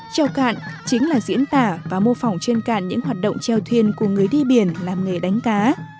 treo cạn chính là diễn tả và mô phỏng trên cạn những hoạt động treo thuyền của người đi biển làm nghề đánh cá